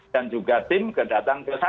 dan juga tim kedatang